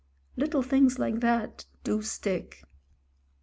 Little things like that do stick.